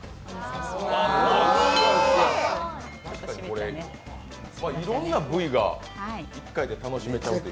これ、いろんな部位が１回で楽しめちゃうという。